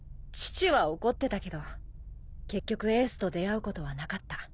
父は怒ってたけど結局エースと出会うことはなかった。